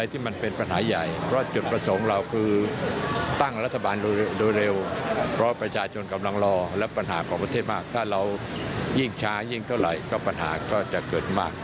ยิ่งช้ายิ่งเท่าไหร่ปัญหาก็จะเกิดมาก